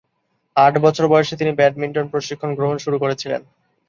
আট বছর বয়সে তিনি ব্যাডমিন্টন প্রশিক্ষণ গ্রহণ শুরু করেছিলেন।